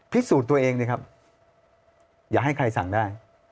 พิสูจน์ตัวเองเลยครับอย่าให้ใครสั่งได้